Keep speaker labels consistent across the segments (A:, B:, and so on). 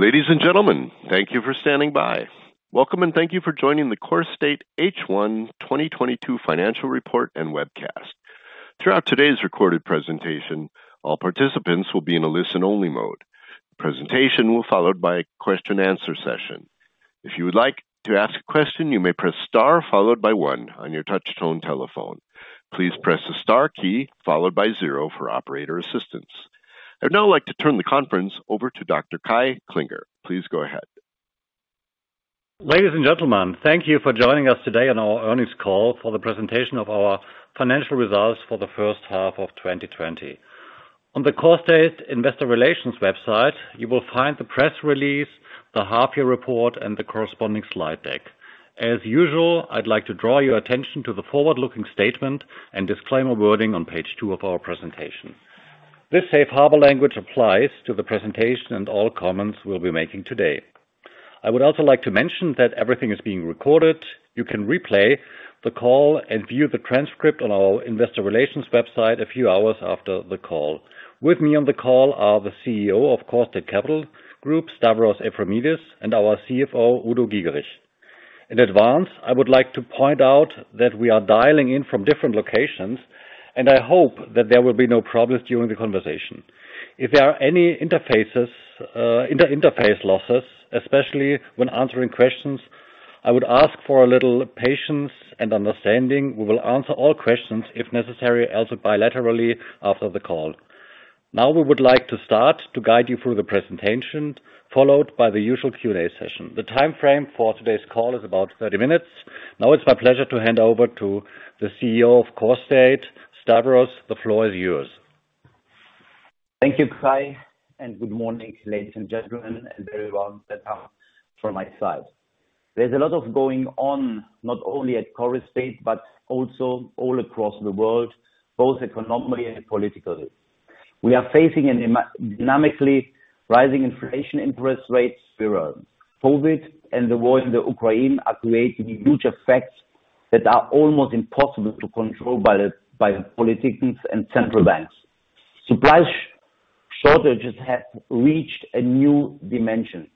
A: Ladies and gentlemen, thank you for standing by. Welcome, and thank you for joining the Corestate H1 2022 financial report and webcast. Throughout today's recorded presentation, all participants will be in a listen-only mode. The presentation will be followed by a Q&A session. If you would like to ask a question, you may press star followed by one on your touch tone telephone. Please press the star key followed by zero for operator assistance. I'd now like to turn the conference over to Dr. Kai Klinger. Please go ahead.
B: Ladies and gentlemen, thank you for joining us today on our earnings call for the presentation of our financial results for the H1 of 2020. On the Corestate Investor Relations website, you will find the press release, the half year report and the corresponding slide deck. As usual, I'd like to draw your attention to the forward-looking statement and disclaimer wording on page 2 of our presentation. This safe harbor language applies to the presentation and all comments we'll be making today. I would also like to mention that everything is being recorded. You can replay the call and view the transcript on our investor relations website a few hours after the call. With me on the call are the CEO of Corestate Capital Group, Stavros Efremidis, and our CFO, Udo Giegerich. In advance, I would like to point out that we are dialing in from different locations, and I hope that there will be no problems during the conversation. If there are any interfaces, interface losses, especially when answering questions, I would ask for a little patience and understanding. We will answer all questions if necessary, also bilaterally after the call. Now we would like to start to guide you through the presentation, followed by the usual Q&A session. The timeframe for today's call is about 30 minutes. Now it's my pleasure to hand over to the CEO of Corestate. Stavros, the floor is yours.
C: Thank you, Kai, and good morning, ladies and gentlemen, and a very warm welcome from my side. There's a lot of going on, not only at Corestate but also all across the world, both economically and politically. We are facing a dynamically rising inflation interest rates spike. COVID and the war in the Ukraine are creating huge effects that are almost impossible to control by the politicians and central banks. Supply shortages have reached a new dimension.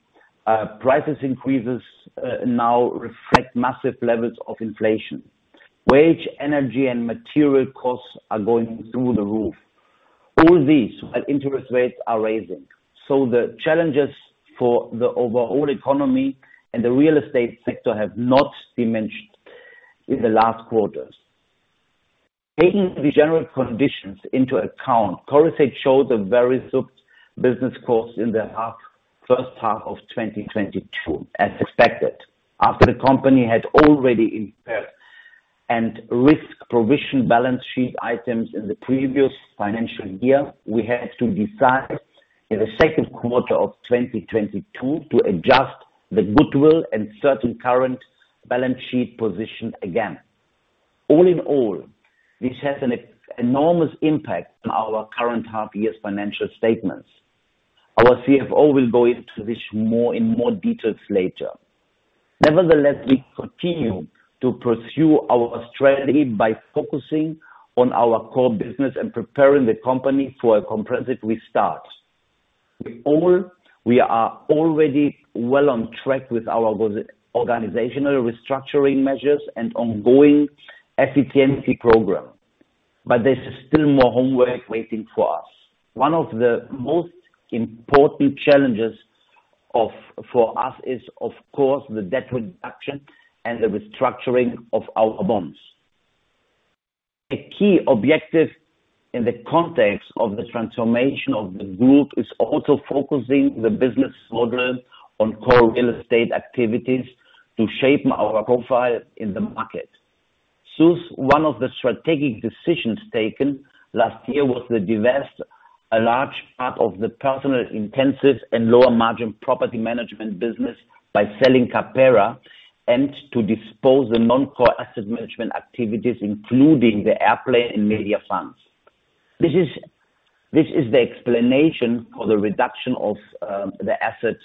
C: Prices increases now reflect massive levels of inflation. Wage, energy, and material costs are going through the roof. All these interest rates are rising. The challenges for the overall economy and the real estate sector have not diminished in the last quarters. Taking the general conditions into account, Corestate showed a very smooth business course in the H1 of 2022 as expected. After the company had already impaired and risk provision balance sheet items in the previous financial year, we had to decide in the Q2 of 2022 to adjust the goodwill and certain current balance sheet position again. All in all, this has an enormous impact on our current half year's financial statements. Our CFO will go into this more details later. Nevertheless, we continue to pursue our strategy by focusing on our core business and preparing the company for a comprehensive restart. With all, we are already well on track with our organizational restructuring measures and ongoing efficiency program. There's still more homework waiting for us. One of the most important challenges for us is, of course, the debt reduction and the restructuring of our bonds. A key objective in the context of the transformation of the group is also focusing the business model on core real estate activities to shape our profile in the market. One of the strategic decisions taken last year was to divest a large part of the personnel intensive and lower margin property management business by selling CAPERA and to dispose the non-core asset management activities, including the airplane and media funds. This is the explanation for the reduction of the assets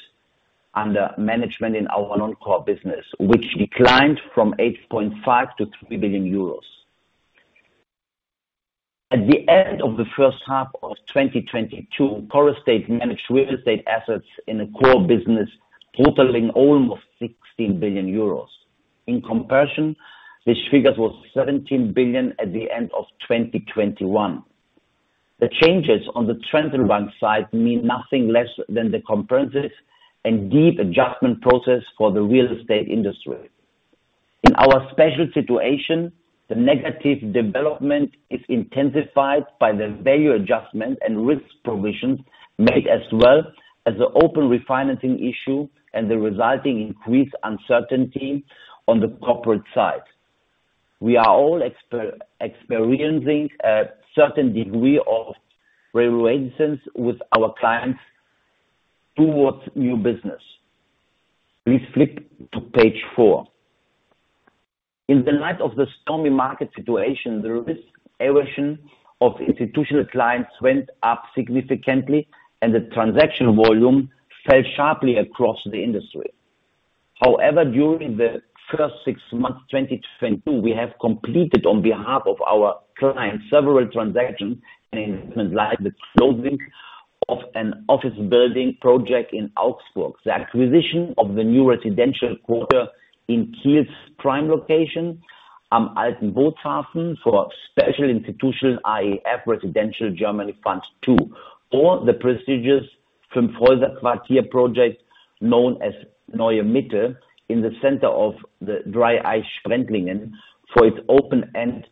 C: under management in our non-core business, which declined from 8.5 billion to 3 billion euros. At the end of the H1 of 2022, Corestate managed real estate assets in the core business, totaling almost 16 billion euros. In comparison, this figure was 17 billion at the end of 2021. The changes on the trend and bank side mean nothing less than the comprehensive and deep adjustment process for the real estate industry. In our special situation, the negative development is intensified by the value adjustment and risk provisions made, as well as the open refinancing issue and the resulting increased uncertainty on the corporate side. We are all experiencing a certain degree of reluctance with our clients towards new business. We flip to page 4. In the light of the stormy market situation, the risk aversion of institutional clients went up significantly and the transaction volume fell sharply across the industry. However, during the first 6 months, 2022, we have completed on behalf of our clients several transactions and investments like the closing of an office building project in Augsburg. The acquisition of the new residential quarter in Kiel's prime location, Am Alten Bootshafen for special institutions, IF Residential Germany Fund II. The prestigious Fürst Quartier project known as Neue Mitte in the center of Dreieich-Sprendlingen for its open-ended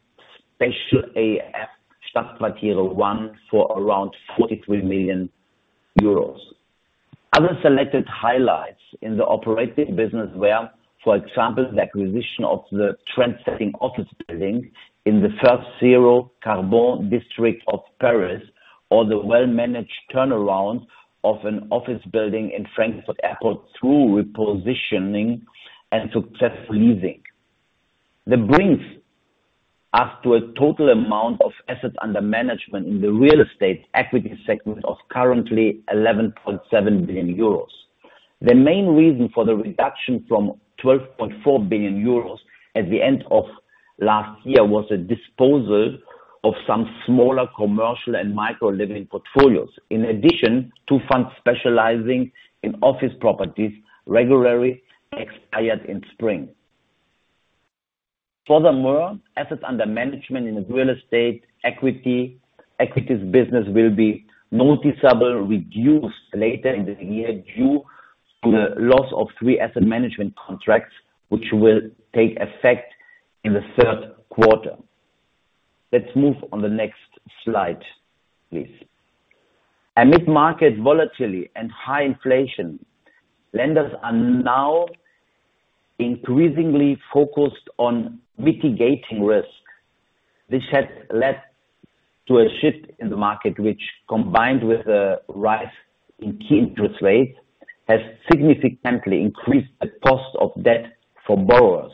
C: special AIF Stadtquartiere I for around 43 million euros. Other selected highlights in the operating business were, for example, the acquisition of the trendsetting office building in the first zero carbon district of Paris, or the well-managed turnaround of an office building in Frankfurt Airport through repositioning and successful leasing. That brings us to a total amount of assets under management in the real estate equity segment of currently 11.7 billion euros. The main reason for the reduction from 12.4 billion euros at the end of last year was a disposal of some smaller commercial and micro living portfolios. In addition to funds specializing in office properties regularly expire in spring. Furthermore, assets under management in the real estate equity, equities business will be noticeably reduced later in the year due to the loss of 3 asset management contracts, which will take effect in the Q3. Let's move on the next slide, please. Amid market volatility and high inflation, lenders are now increasingly focused on mitigating risk. This has led to a shift in the market, which, combined with a rise in key interest rates, has significantly increased the cost of debt for borrowers.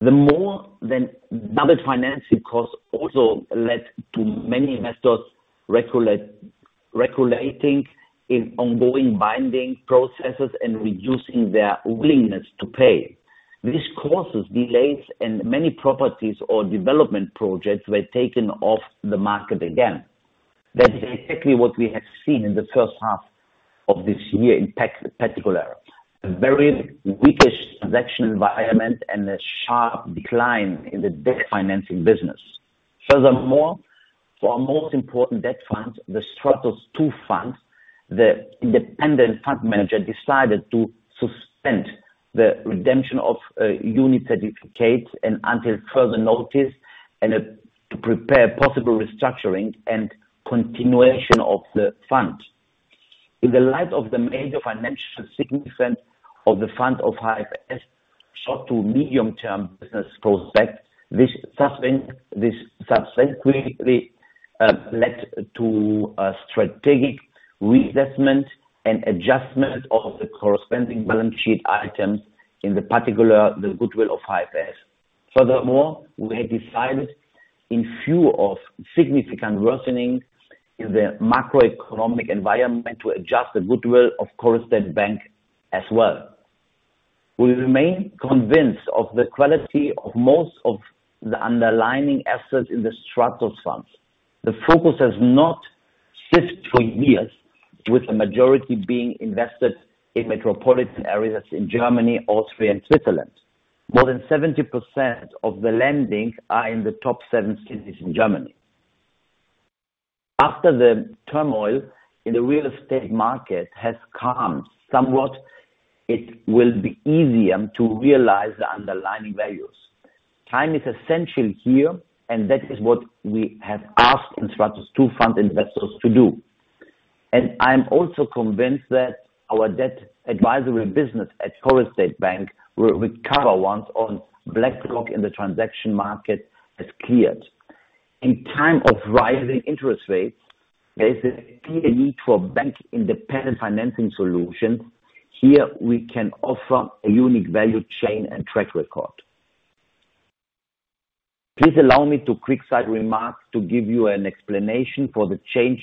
C: The more than doubled financing costs also led to many investors renegotiating in ongoing bidding processes and reducing their willingness to pay. This causes delays and many properties or development projects were taken off the market again. That is exactly what we have seen in the H1 of this year, in particular. A very weak transaction environment and a sharp decline in the debt financing business. Furthermore, for our most important debt funds, the Stratos II funds, the independent fund manager decided to suspend the redemption of unit certificates and until further notice to prepare possible restructuring and continuation of the fund. In the light of the major financial significance of the fund of HFS short- to medium-term business prospects, this subsequently led to a strategic reassessment and adjustment of the corresponding balance sheet items, in particular the goodwill of HFS. Furthermore, we have decided in view of significant worsening in the macroeconomic environment to adjust the goodwill of Corestate Bank as well. We remain convinced of the quality of most of the underlying assets in the Stratos funds. The focus has not shifted for years, with the majority being invested in metropolitan areas in Germany, Austria and Switzerland. More than 70% of the lending are in the top 7 cities in Germany. After the turmoil in the real estate market has calmed somewhat, it will be easier to realize the underlying values. Time is essential here, and that is what we have asked institutional fund investors to do. I'm also convinced that our debt advisory business at Corestate Bank will recover once the backlog in the transaction market has cleared. In times of rising interest rates, there is a clear need for bank independent financing solutions. Here we can offer a unique value chain and track record. Please allow me to make a quick side remark to give you an explanation for the changed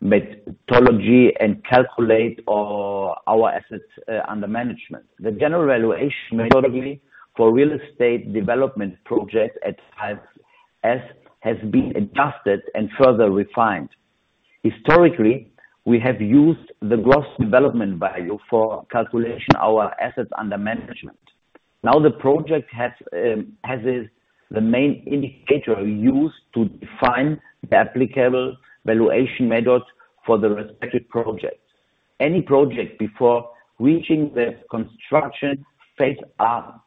C: methodology and calculation of our assets under management. The general valuation methodology for real estate development projects at HFS has been adjusted and further refined. Historically, we have used the gross development value for calculating our assets under management. Now the project has the main indicator used to define the applicable valuation methods for the respective projects. Any project before reaching the construction phase are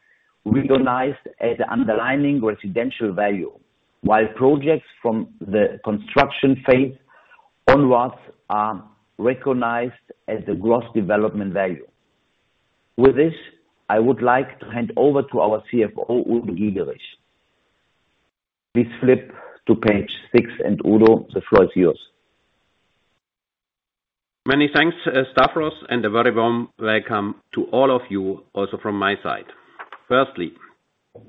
C: recognized as underlying residential value, while projects from the construction phase onwards are recognized as the gross development value. With this, I would like to hand over to our CFO, Udo Giegerich. Please flip to page 6, and Udo, the floor is yours.
D: Many thanks, Stavros, and a very warm welcome to all of you, also from my side. Firstly,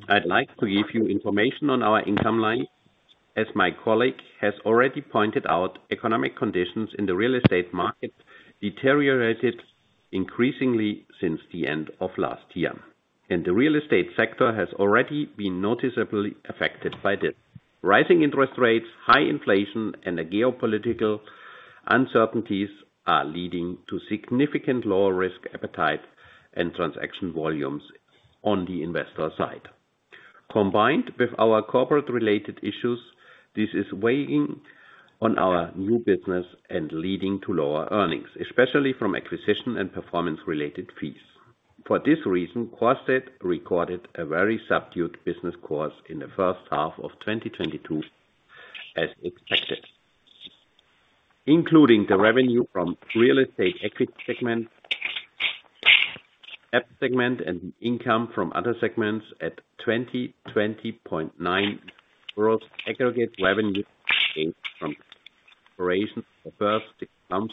D: I'd like to give you information on our income line. As my colleague has already pointed out, economic conditions in the real estate market deteriorated increasingly since the end of last year, and the real estate sector has already been noticeably affected by this. Rising interest rates, high inflation, and the geopolitical uncertainties are leading to significant lower risk appetite and transaction volumes on the investor side. Combined with our corporate related issues, this is weighing on our new business and leading to lower earnings, especially from acquisition and performance related fees. For this reason, Corestate recorded a very subdued business course in the H1 of 2022 as expected. Including the revenue from real estate equity segment, debt segment and the income from other segments at 20.9 million gross aggregate revenue from operations. These figures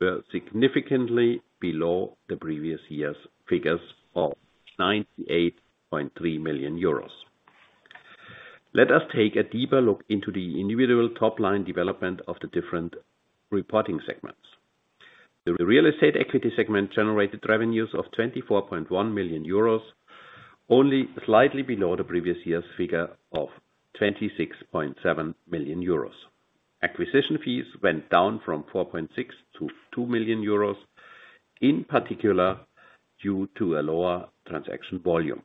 D: were significantly below the previous year's figures of 98.3 million euros. Let us take a deeper look into the individual top line development of the different reporting segments. The real estate equity segment generated revenues of 24.1 million euros, only slightly below the previous year's figure of 26.7 million euros. Acquisition fees went down from 4.6 million to 2 million euros, in particular due to a lower transaction volume.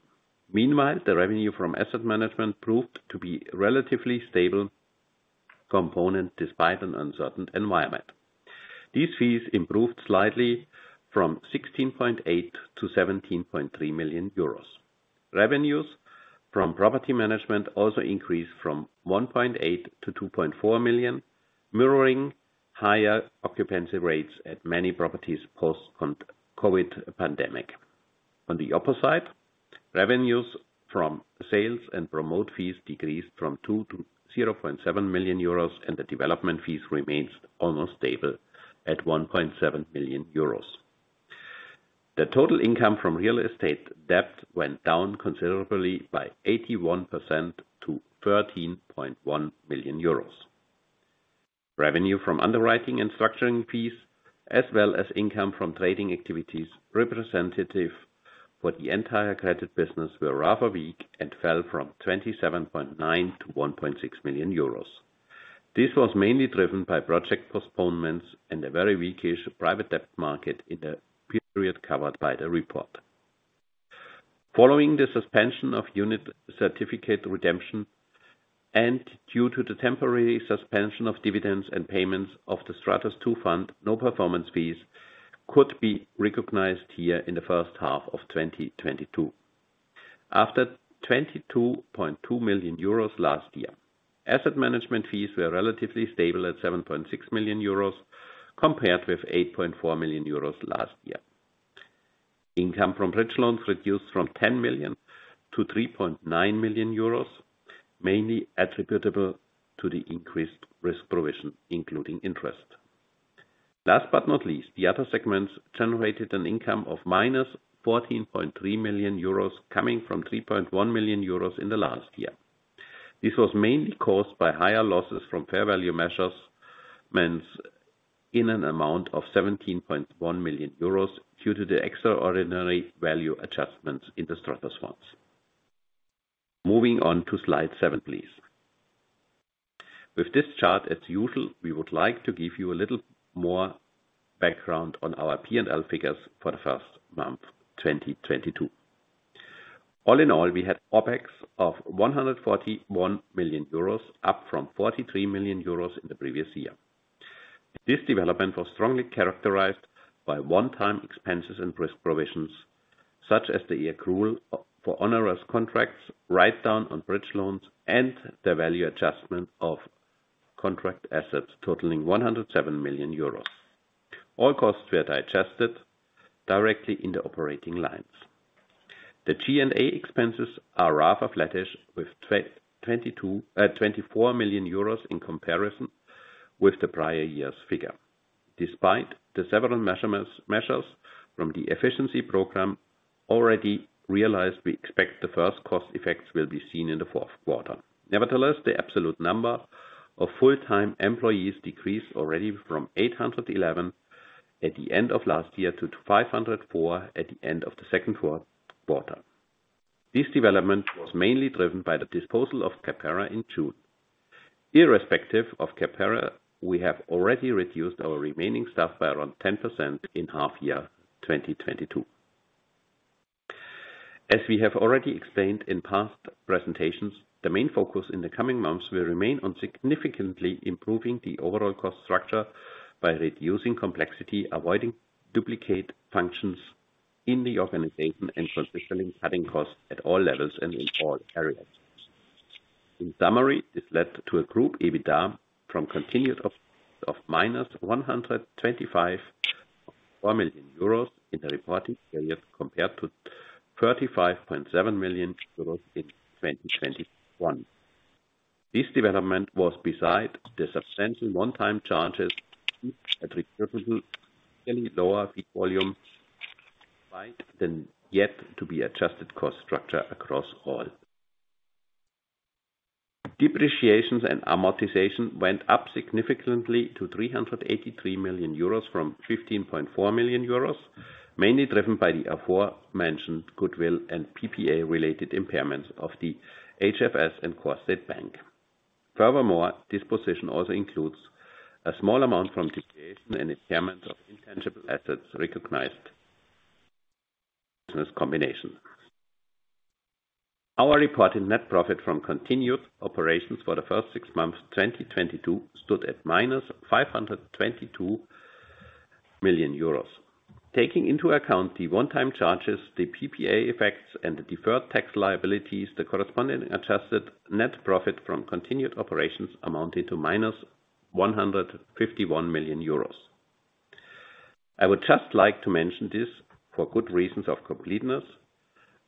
D: Meanwhile, the revenue from asset management proved to be relatively stable component despite an uncertain environment. These fees improved slightly from 16.8 million to 17.3 million euros. Revenues from property management also increased from 1.8 million to 2.4 million, mirroring higher occupancy rates at many properties post-COVID pandemic. On the other side, revenues from sales and promote fees decreased from 2 million to 0.7 million euros and the development fees remains almost stable at 1.7 million euros. The total income from real estate debt went down considerably by 81% to 13.1 million euros. Revenue from underwriting and structuring fees, as well as income from trading activities representative for the entire credit business were rather weak and fell from 27.9 million to 1.6 million euros. This was mainly driven by project postponements and a very weakish private debt market in the period covered by the report. Following the suspension of unit certificate redemption and due to the temporary suspension of dividends and payments of the Stratos II fund, no performance fees could be recognized here in the H1 of 2022. After 22.2 million euros last year. Asset management fees were relatively stable at 7.6 million euros compared with 8.4 million euros last year. Income from bridge loans reduced from 10 million to 3.9 million euros, mainly attributable to the increased risk provision, including interest. Last but not least, the other segments generated an income of -14.3 million euros coming from 3.1 million euros in the last year. This was mainly caused by higher losses from fair value measurements in an amount of 17.1 million euros due to the extraordinary value adjustments in the Stratos funds. Moving on to slide 7, please. With this chart, as usual, we would like to give you a little more background on our P&L figures for the Q1, 2022. All in all, we had OpEx of 141 million euros, up from 43 million euros in the previous year. This development was strongly characterized by one-time expenses and risk provisions, such as the accrual for onerous contracts, write down on bridge loans and the value adjustment of contract assets totaling 107 million euros. All costs were digested directly in the operating lines. The G&A expenses are rather flattish with 24 million euros in comparison with the prior year's figure. Despite the several measures from the efficiency program already realized, we expect the first cost effects will be seen in the Q4. Nevertheless, the absolute number of full-time employees decreased already from 811 at the end of last year to 504 at the end of the Q2. This development was mainly driven by the disposal of CAPERA in June. Irrespective of CAPERA, we have already reduced our remaining staff by around 10% in half year 2022. As we have already explained in past presentations, the main focus in the coming months will remain on significantly improving the overall cost structure by reducing complexity, avoiding duplicate functions in the organization and consistently cutting costs at all levels and in all areas. In summary, this led to a group EBITDA from continued of -125.4 million euros in the reporting period compared to 35.7 million euros in 2021. This development was besides the substantial one-time charges attributable to the lower fee volume. By then yet to be adjusted cost structure across all. Depreciation and amortization went up significantly to 383 million euros from 15.4 million euros, mainly driven by the aforementioned goodwill and PPA related impairments of the HFS and Corestate Bank. Furthermore, this position also includes a small amount from depreciation and impairment of intangible assets recognized. This combination. Our reported net profit from continued operations for the first 6 months, 2022 stood at -522 million euros. Taking into account the one-time charges, the PPA effects and the deferred tax liabilities, the corresponding adjusted net profit from continued operations amounted to -151 million euros. I would just like to mention this for good reasons of completeness.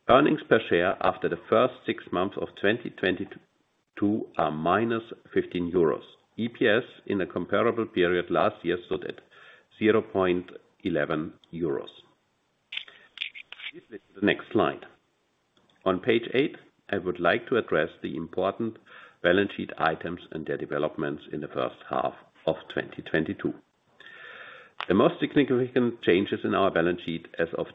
D: Earnings per share after the first 6 months of 2022 are -15 euros. EPS in the comparable period last year stood at 0.11 euros. Please flip to the next slide. On page 8, I would like to address the important balance sheet items and their developments in the H1 of 2022. The most significant changes in our balance sheet as of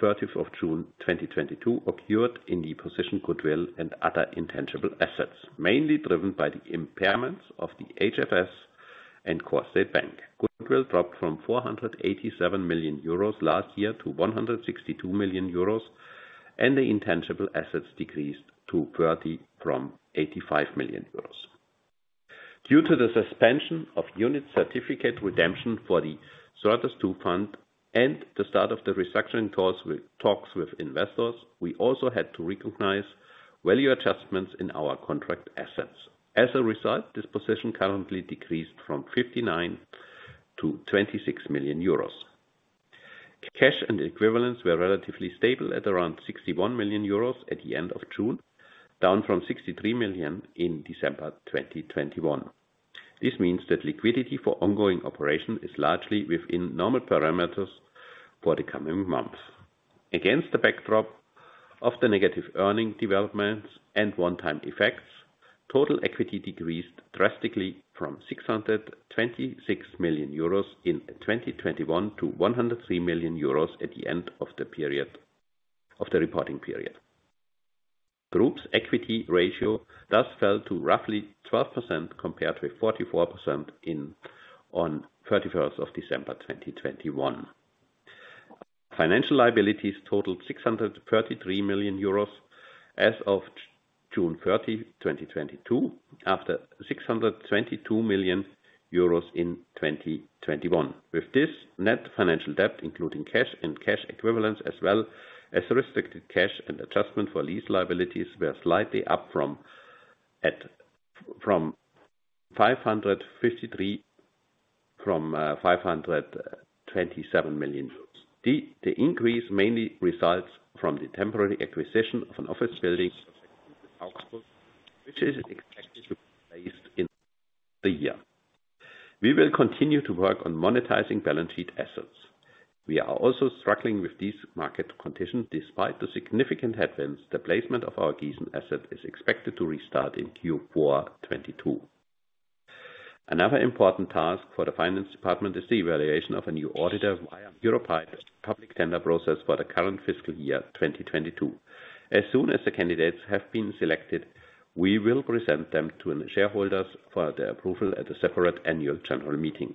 D: 30 June 2022 occurred in the position goodwill and other intangible assets, mainly driven by the impairments of the HFS and Corestate Bank. Goodwill dropped from 487 million euros last year to 162 million euros, and the intangible assets decreased to 30 million from 85 million euros. Due to the suspension of unit certificate redemption for the Stratos II fund and the start of the restructuring talks with investors, we also had to recognize value adjustments in our contract assets. As a result, this position currently decreased from 59 million to 26 million euros. Cash and equivalents were relatively stable at around 61 million euros at the end of June, down from 63 million in December 2021. This means that liquidity for ongoing operation is largely within normal parameters for the coming months. Against the backdrop of the negative earnings developments and one-time effects, total equity decreased drastically from 626 million euros in 2021 to 103 million euros at the end of the reporting period. Group's equity ratio thus fell to roughly 12% compared with 44% on 31st of December 2021. Financial liabilities totaled 633 million euros as of June 30, 2022 after 622 million euros in 2021. With this net financial debt, including cash and cash equivalents as well as restricted cash and adjustment for lease liabilities were slightly up from 527 million. The increase mainly results from the temporary acquisition of an office building which is expected to be placed in a year. We will continue to work on monetizing balance sheet assets. We are also struggling with these market conditions despite the significant headwinds the placement of our Gießen asset is expected to restart in Q4 2022. Another important task for the finance department is the evaluation of a new auditor via European public tender process for the current FY, 2022. As soon as the candidates have been selected, we will present them to the shareholders for their approval at a separate annual general meeting.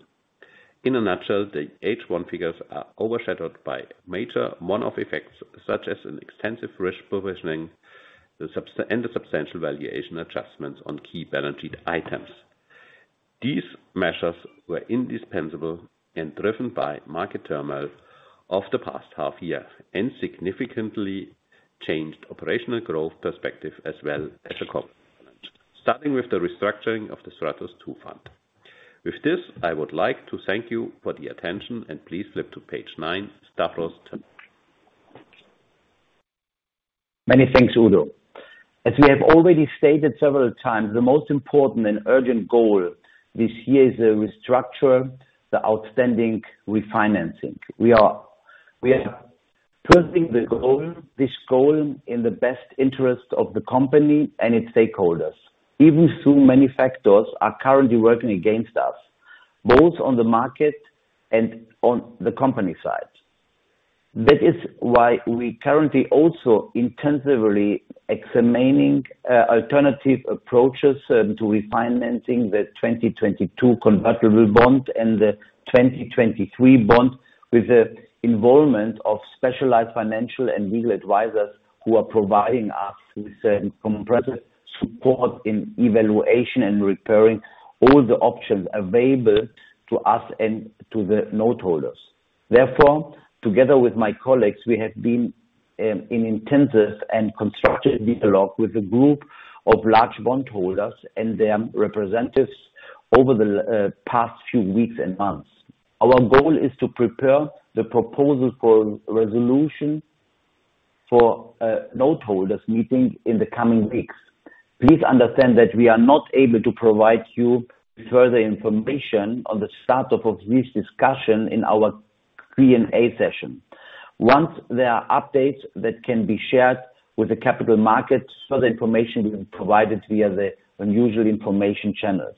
D: In a nutshell, the H1 figures are overshadowed by major one-off effects such as an extensive risk provisioning, and the substantial valuation adjustments on key balance sheet items. These measures were indispensable and driven by market turmoil of the past half year and significantly changed operational growth perspective as well as the cost. Starting with the restructuring of the Stratos II fund. With this, I would like to thank you for the attention and please flip to page 9. Stavros Efremidis.
C: Many thanks, Udo. As we have already stated several times, the most important and urgent goal this year is to restructure the outstanding refinancing. We are pursuing this goal in the best interest of the company and its stakeholders, even if so many factors are currently working against us, both on the market and on the company side. That is why we currently also intensively examining alternative approaches to refinancing the 2022 convertible bonds and the 2023 bond with the involvement of specialized financial and legal advisors who are providing us with a comprehensive support in evaluating and preparing all the options available to us and to the noteholders. Therefore, together with my colleagues, we have been in intensive and constructive dialogue with a group of large bondholders and their representatives over the past few weeks and months. Our goal is to prepare the proposal for resolution for note holders meeting in the coming weeks. Please understand that we are not able to provide you further information on the start of this discussion in our Q&A session. Once there are updates that can be shared with the capital markets, further information will be provided via the usual information channels.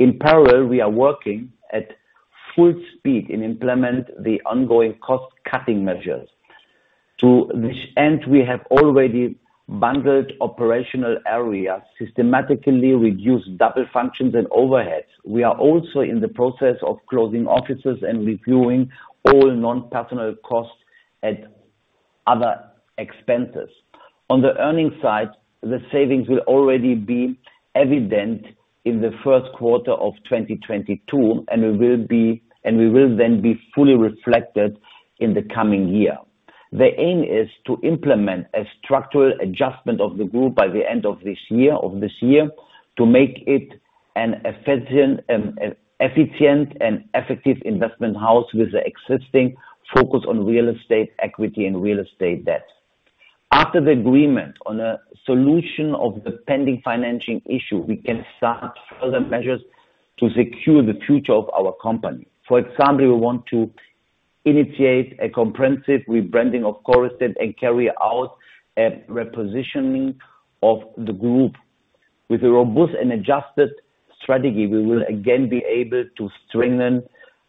C: In parallel, we are working at full speed to implement the ongoing cost cutting measures. To this end, we have already bundled operational areas, systematically reduced double functions and overheads. We are also in the process of closing offices and reviewing all non-personnel costs at other expenses. On the earnings side, the savings will already be evident in the Q1 of 2022, and they will then be fully reflected in the coming year. The aim is to implement a structural adjustment of the group by the end of this year to make it an efficient and effective investment house with the existing focus on real estate equity and real estate debt. After the agreement on a solution of the pending financing issue, we can start further measures to secure the future of our company. For example, we want to initiate a comprehensive rebranding of Corestate and carry out a repositioning of the group. With a robust and adjusted strategy, we will again be able to strengthen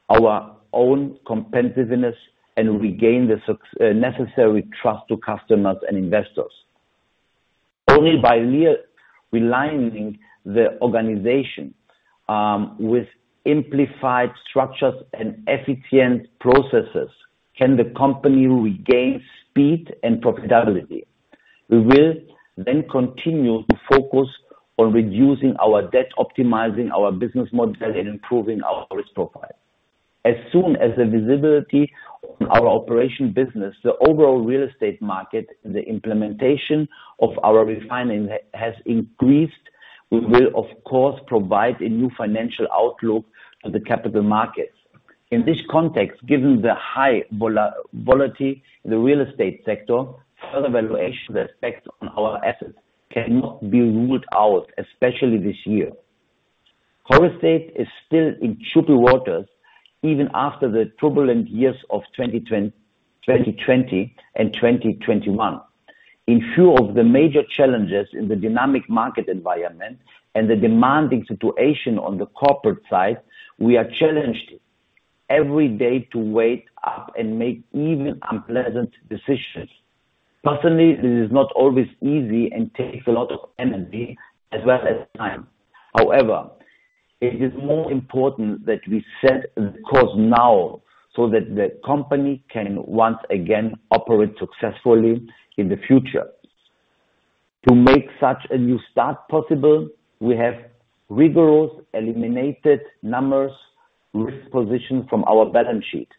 C: our own competitiveness and regain the necessary trust to customers and investors. Only by realigning the organization with simplified structures and efficient processes can the company regain speed and profitability. We will then continue to focus on reducing our debt, optimizing our business model, and improving our risk profile. As soon as the visibility of our operating business, the overall real estate market, and the implementation of our refinancing has increased, we will of course provide a new financial outlook to the capital markets. In this context, given the high volatility in the real estate sector, further valuation effects on our assets cannot be ruled out, especially this year. Corestate is still in troubled waters even after the turbulent years of 2020 and 2021. In view of the major challenges in the dynamic market environment and the demanding situation on the corporate side, we are challenged every day to wake up and make even unpleasant decisions. Personally, this is not always easy and takes a lot of energy as well as time. However, it is more important that we set the course now so that the company can once again operate successfully in the future. To make such a new start possible, we have rigorously eliminated numerous risk positions from our balance sheet.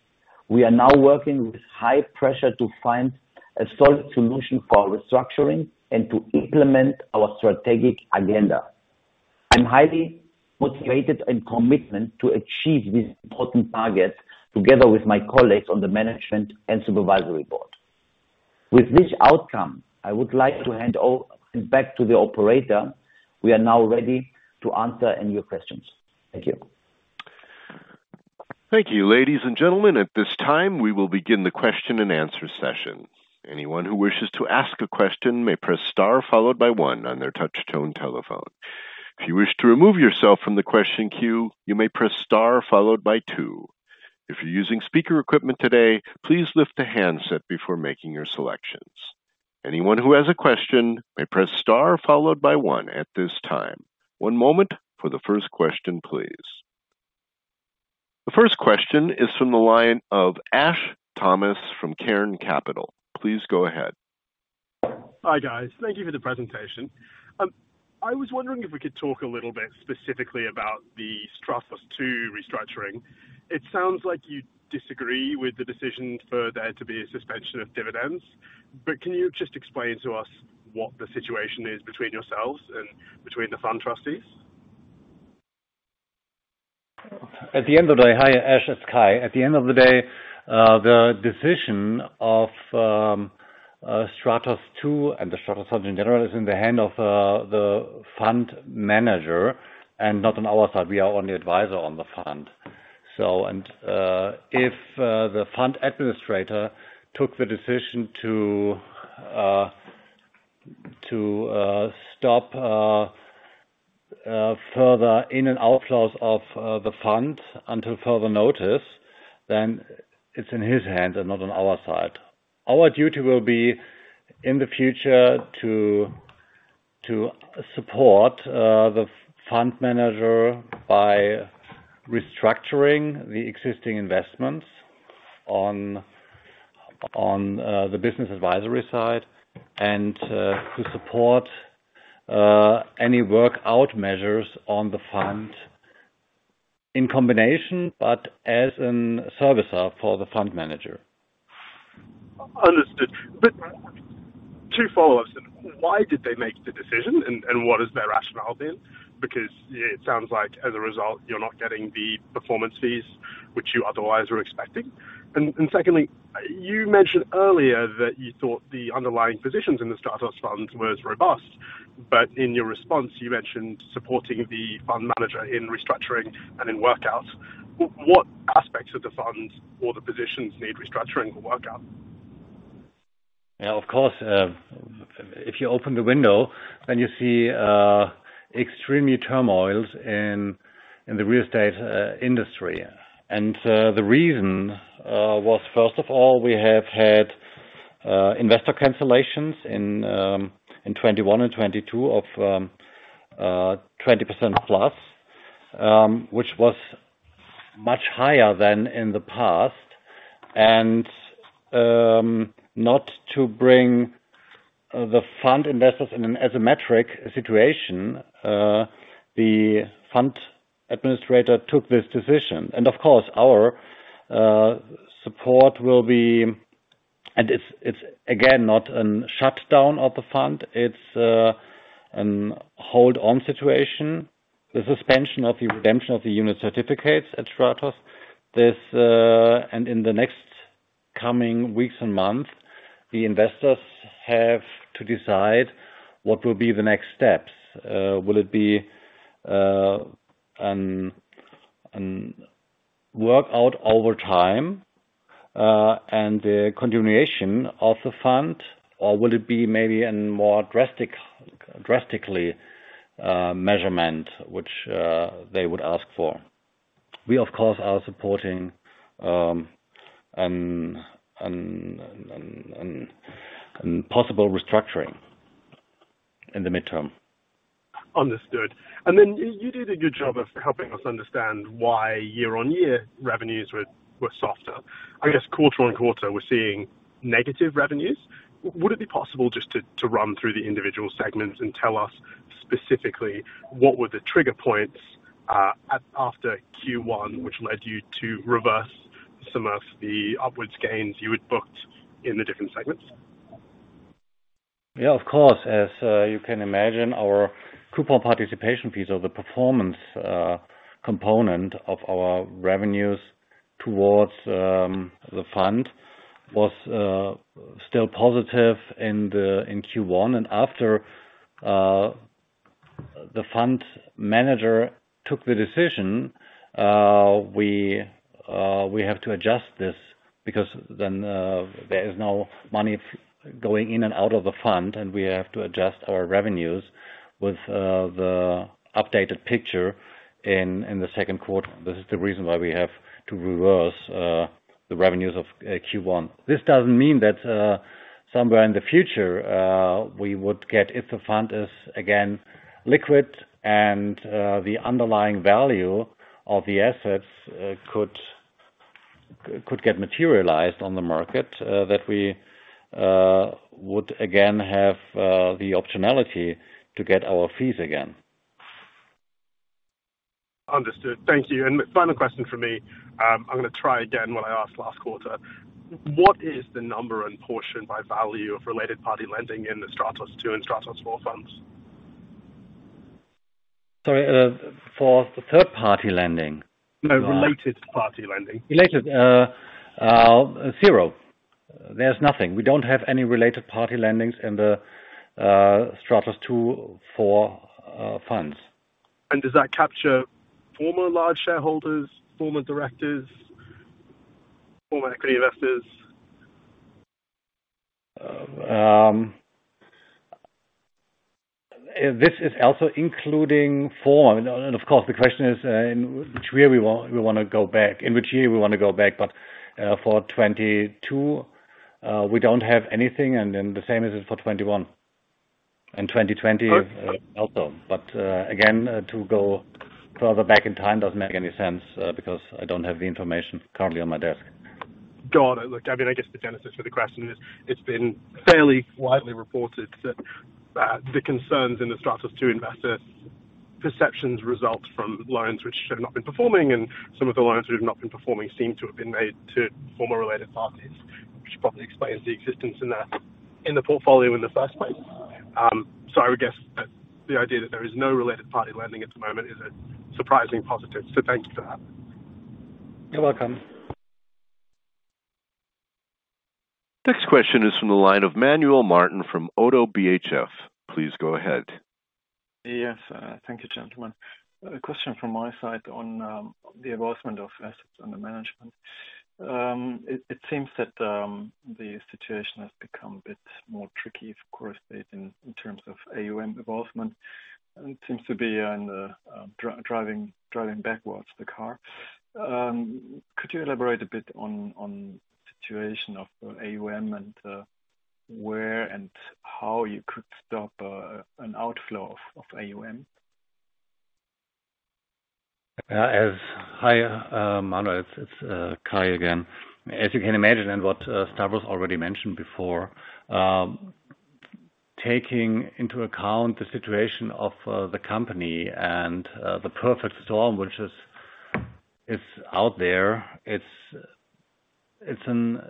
C: We are now working with high pressure to find a solid solution for restructuring and to implement our strategic agenda. I'm highly motivated and committed to achieve these important targets together with my colleagues on the management and supervisory board. With this outcome, I would like to hand back over to the operator. We are now ready to answer any questions. Thank you.
A: Thank you. Ladies and gentlemen, at this time, we will begin the Q&A session. Anyone who wishes to ask a question may press star followed by one on their touch tone telephone. If you wish to remove yourself from the question queue, you may press star followed by 2. If you're using speaker equipment today, please lift the handset before making your selections. Anyone who has a question may press star followed by one at this time. One moment for the first question, please. The first question is from the line of Ash Thomas from Cairn Capital. Please go ahead.
E: Hi, guys. Thank you for the presentation. I was wondering if we could talk a little bit specifically about the Stratos II restructuring. It sounds like you disagree with the decision for there to be a suspension of dividends, but can you just explain to us what the situation is between yourselves and between the fund trustees?
B: At the end of the day. Hi, Ash, it's Kai. At the end of the day, the decision of Stratos II and the Stratos in general is in the hand of the fund manager and not on our side. We are only advisor on the fund. If the fund administrator took the decision to stop further inflows and outflows of the fund until further notice, then it's in his hands and not on our side. Our duty will be in the future to support the fund manager by restructuring the existing investments on the business advisory side and to support any work out measures on the fund in combination, but as a servicer for the fund manager.
E: Understood. 2 follow-ups then. Why did they make the decision and what has their rationale been? Because it sounds like as a result, you're not getting the performance fees which you otherwise were expecting. Secondly, you mentioned earlier that you thought the underlying positions in the Stratos funds was robust, but in your response, you mentioned supporting the fund manager in restructuring and in workouts. What aspects of the funds or the positions need restructuring or workout?
B: Yeah, of course. If you open the window, then you see extreme turmoil in the real estate industry. The reason was, first of all, we have had investor cancellations in 2021 and 2022 of 20% plus, which was much higher than in the past. Not to bring the fund investors in an asymmetric situation, the fund administrator took this decision. Of course, our support will be. It's again not a shutdown of the fund. It's a hold on situation. The suspension of the redemption of the unit certificates at Stratos. This and in the next coming weeks and months, the investors have to decide what will be the next steps. Will it work out over time and the continuation of the fund or will it be maybe a more drastic measure which they would ask for? We, of course, are supporting possible restructuring in the medium term.
E: Understood. Then you did a good job of helping us understand why year-on-year revenues were softer. I guess quarter-on-quarter, we're seeing negative revenues. Would it be possible just to run through the individual segments and tell us specifically what were the trigger points after Q1, which led you to reverse some of the upwards gains you had booked in the different segments?
B: Yeah, of course. As you can imagine, our coupon participation fees or the performance component of our revenues towards the fund was still positive in Q1. After the fund manager took the decision, we have to adjust this because then there is no money going in and out of the fund, and we have to adjust our revenues with the updated picture in the Q2. This is the reason why we have to reverse the revenues of Q1. This doesn't mean that somewhere in the future we would get if the fund is again liquid and the underlying value of the assets could get materialized on the market that we would again have the optionality to get our fees again.
E: Understood. Thank you. Final question from me. I'm gonna try again what I asked last quarter. What is the number and portion by value of related party lending in the Stratos II and Stratos IV funds?
B: Sorry, for the third party lending?
E: No, related party lending.
B: Related. Zero. There's nothing. We don't have any related party lendings in the Stratos II, IV funds.
E: Does that capture former large shareholders, former directors, former equity investors?
B: This is also including form. Of course, the question is, in which year we wanna go back. For 2022, we don't have anything, and then the same as it is for 2021 and 2020, also. Again, to go further back in time doesn't make any sense, because I don't have the information currently on my desk.
E: Got it. Look, I mean, I guess the genesis for the question is it's been fairly widely reported that the concerns in the Stratos II investors' perceptions result from loans which have not been performing and some of the loans which have not been performing seem to have been made to former related parties, which probably explains the existence in the portfolio in the first place. I would guess that the idea that there is no related party lending at the moment is a surprising positive. Thank you for that.
B: You're welcome.
A: Next question is from the line of Manuel Martin from ODDO BHF. Please go ahead.
F: Yes. Thank you, gentlemen. A question from my side on the involvement of assets under management. It seems that the situation has become a bit more tricky, of course, lately in terms of AUM involvement, and it seems to be driving the car backwards. Could you elaborate a bit on the situation of AUM and where and how you could stop an outflow of AUM?
B: Yeah. Hi, Manuel. It's Kai again. As you can imagine and what Stavros already mentioned before, taking into account the situation of the company and the perfect storm, which is out there. It's an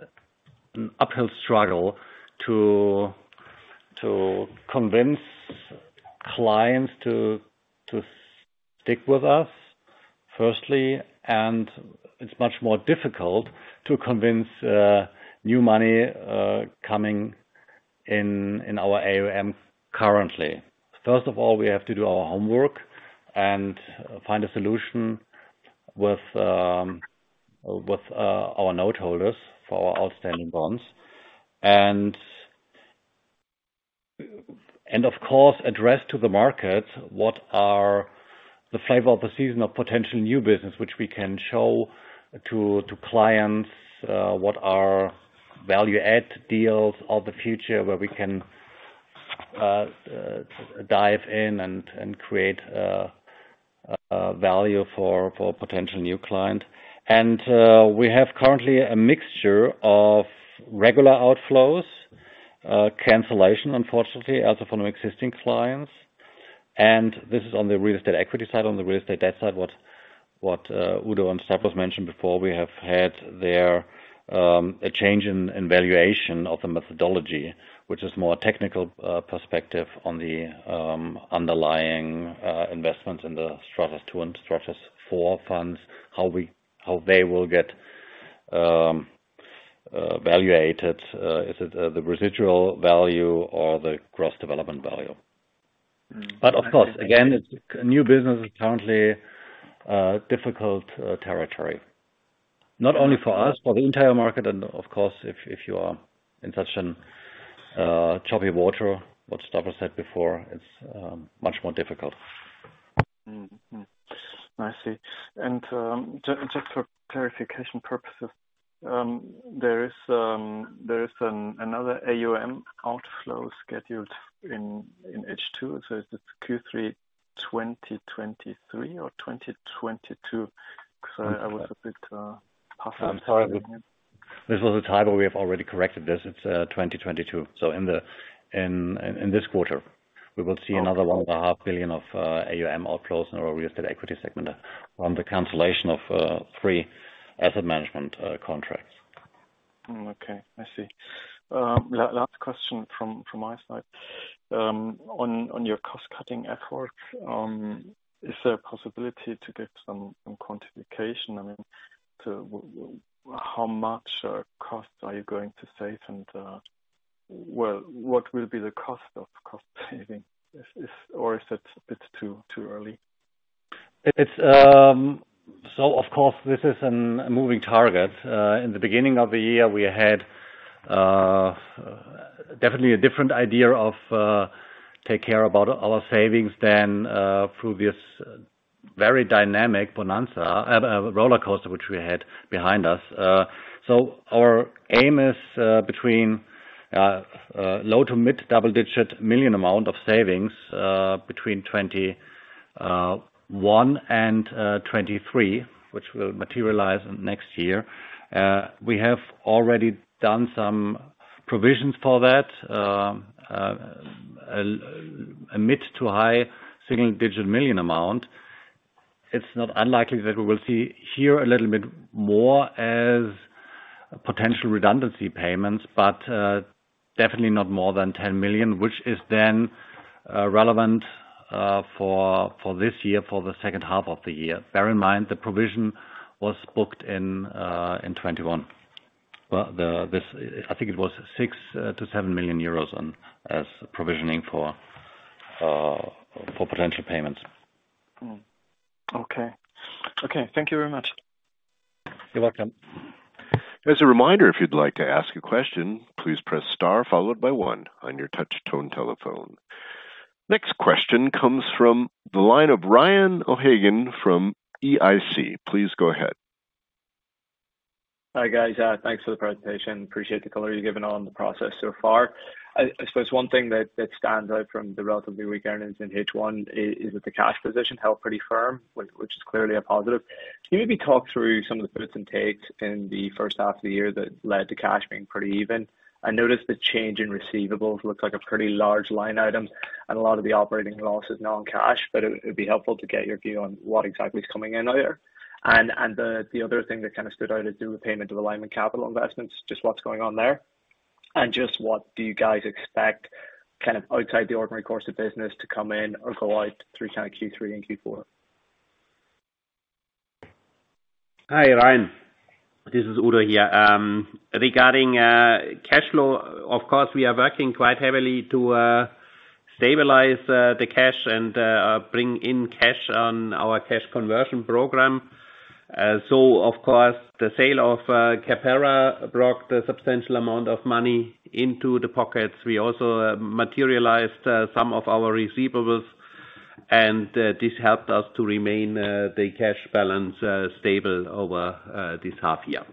B: uphill struggle to convince clients to stick with us, firstly, and it's much more difficult to convince new money coming in in our AUM currently. First of all, we have to do our homework and find a solution with our note holders for our outstanding bonds. Of course, address to the market what are the flavor of the season of potential new business, which we can show to clients, what are value add deals of the future where we can dive in and create value for potential new client. We have currently a mixture of regular outflows, cancellation, unfortunately, also from existing clients. This is on the real estate equity side. On the real estate debt side, what Udo and Stavros mentioned before, we have had a change in valuation of the methodology, which is more technical perspective on the underlying investments in the Stratos II and Stratos IV funds. How they will get valuated. Is it the residual value or the gross development value? Of course, again, new business is currently difficult territory. Not only for us, for the entire market, and of course, if you are in such a choppy water, what Stavros said before, it's much more difficult.
F: I see. Just for clarification purposes, there is another AUM outflow scheduled in H2. Is this Q3 2023 or 2022? Cause I was a bit puzzled.
B: I'm sorry. This was a typo. We have already corrected this. It's 2022. In this quarter, we will see another 1.5 billion of AUM outflows in our real estate equity segment on the cancellation of 3 asset management contracts.
F: Okay. I see. Last question from my side. On your cost-cutting effort, is there a possibility to get some quantification? I mean, how much costs are you going to save? Well, what will be the cost of cost saving? Or, if it's too early?
B: It's of course, this is a moving target. In the beginning of the year, we had definitely a different idea of how to take care of our savings than through this very dynamic bonanza rollercoaster which we had behind us. Our aim is between low- to mid-double-digit million EUR amount of savings between 2021 and 2023, which will materialize next year. We have already done some provisions for that. A mid- to high-single-digit million EUR amount. It's not unlikely that we will see here a little bit more as potential redundancy payments, but definitely not more than 10 million, which is then relevant for this year, for the H2 of the year. Bear in mind, the provision was booked in 2021. I think it was 6 million-7 million euros on, as provisioning for potential payments.
F: Okay, thank you very much.
B: You're welcome.
A: As a reminder, if you'd like to ask a question, please press star followed by one on your touch tone telephone. Next question comes from the line of Ryan O'Hagan from EIC. Please go ahead.
G: Hi, guys. Thanks for the presentation. Appreciate the color you've given on the process so far. I suppose one thing that stands out from the relatively weak earnings in H1 is that the cash position held pretty firm, which is clearly a positive. Can you maybe talk through some of the puts and takes in the H1 of the year that led to cash being pretty even? I noticed the change in receivables looks like a pretty large line item, and a lot of the operating loss is non-cash, but it'd be helpful to get your view on what exactly is coming in there. The other thing that kind of stood out is the repayment of the Lyman Capital investments, just what's going on there? Just what do you guys expect kind of outside the ordinary course of business to come in or go out through kind of Q3 and Q4?
D: Hi, Ryan. This is Udo here. Regarding cash flow, of course, we are working quite heavily to stabilize the cash and bring in cash on our cash conversion program. Of course, the sale of CAPERA brought a substantial amount of money into the pockets. We also materialized some of our receivables, and this helped us to remain the cash balance stable over this half year.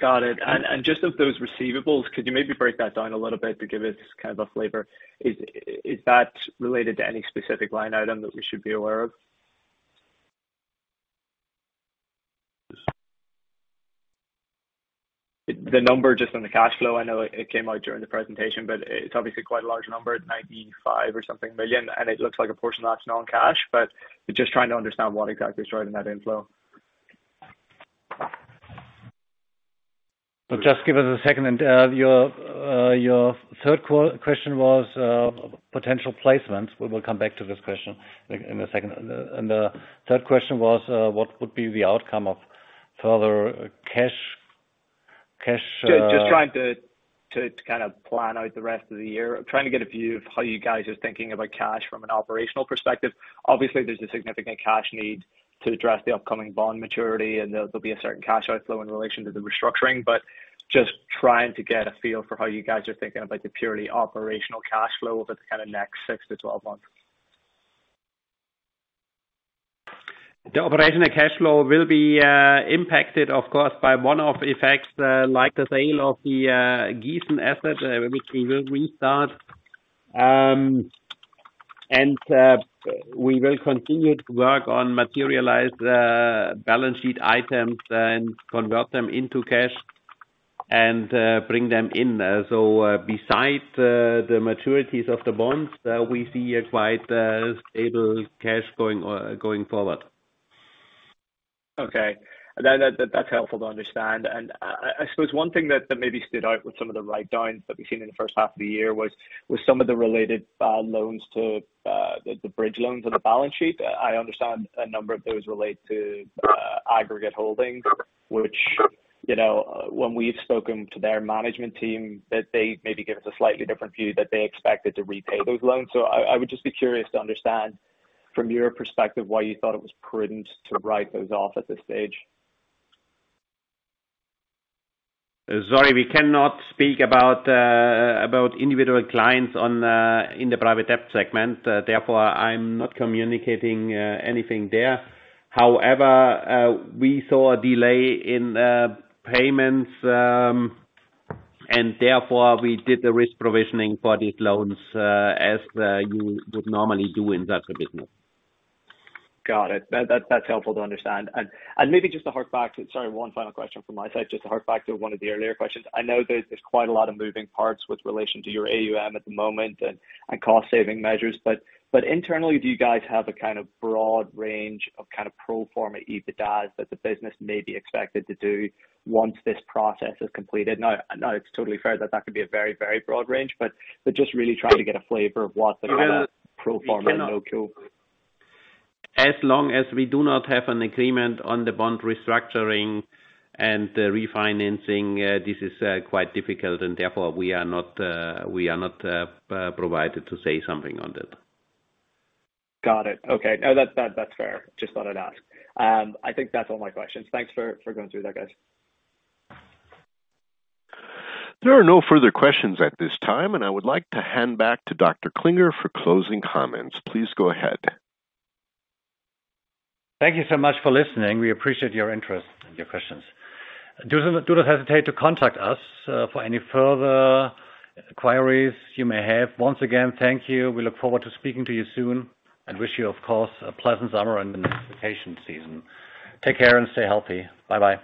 G: Got it. Just of those receivables, could you maybe break that down a little bit to give us kind of a flavor? Is that related to any specific line item that we should be aware of? The number just on the cash flow. I know it came out during the presentation, but it's obviously quite a large number, 95 or something million, and it looks like a portion that's non-cash, but just trying to understand what exactly is driving that inflow.
D: Just give us a second. Your third question was potential placements. We will come back to this question in a second. The third question was what would be the outcome of further cash.
G: Just trying to kind of plan out the rest of the year. Trying to get a view of how you guys are thinking about cash from an operational perspective. Obviously, there's a significant cash need to address the upcoming bond maturity, and there'll be a certain cash outflow in relation to the restructuring, but just trying to get a feel for how you guys are thinking about the purely operational cash flow over the kind of next 6-12 months.
D: The operational cash flow will be impacted, of course, by one-off effects, like the sale of the Gießen asset, which we will restart. We will continue to work on materializing balance sheet items and convert them into cash and bring them in. Besides the maturities of the bonds, we see quite a stable cash going forward.
G: Okay. That's helpful to understand. I suppose one thing that maybe stood out with some of the write-downs that we've seen in the H1 of the year was some of the related to the bridge loans on the balance sheet. I understand a number of those relate to Aggregate Holdings, which, you know, when we've spoken to their management team, that they maybe give us a slightly different view that they expected to repay those loans. I would just be curious to understand from your perspective why you thought it was prudent to write those off at this stage.
D: Sorry, we cannot speak about individual clients in the private debt segment, therefore, I'm not communicating anything there. However, we saw a delay in payments, and therefore we did the risk provisioning for these loans, as you would normally do in such a business.
G: Got it. That's helpful to understand. Maybe just to hark back to. Sorry, one final question from my side. Just to hark back to one of the earlier questions. I know there's quite a lot of moving parts with relation to your AUM at the moment and cost saving measures, but internally, do you guys have a kind of broad range of kind of pro forma EBITDA that the business may be expected to do once this process is completed? Now, I know it's totally fair that that could be a very broad range, but just really trying to get a flavor of what the pro forma look-
D: As long as we do not have an agreement on the bond restructuring and refinancing, this is quite difficult, and therefore we are not prepared to say something on that.
G: Got it. Okay. No, that's fair. Just thought I'd ask. I think that's all my questions. Thanks for going through that, guys.
A: There are no further questions at this time, and I would like to hand back to Dr. Klinger for closing comments. Please go ahead.
B: Thank you so much for listening. We appreciate your interest and your questions. Do not hesitate to contact us for any further queries you may have. Once again, thank you. We look forward to speaking to you soon and wish you, of course, a pleasant summer and season. Take care and stay healthy. Bye-bye.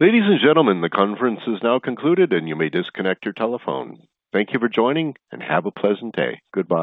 A: Ladies and gentlemen, the conference is now concluded, and you may disconnect your telephone. Thank you for joining, and have a pleasant day. Goodbye.